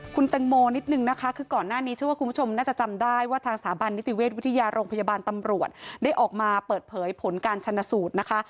คุณแตงโมนิดนึงนะคะคือก่อนหน้านี้เชื่อว่าคุณผู้ชมน่าจะจำได้ว่าทางสถาบันนิติเวชวิทยาโรงพยาบาลตำรวจได้ออกมาเปิดเผยผลการชนะสูตรนะคะ